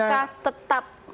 macet macet itu apakah tetap